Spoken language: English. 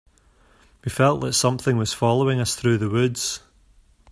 We felt that something was following us through the woods.